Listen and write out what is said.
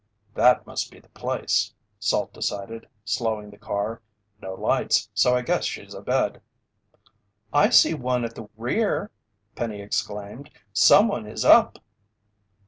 "That must be the place," Salt decided, slowing the car. "No lights so I guess she's abed." "I see one at the rear!" Penny exclaimed. "Someone is up!"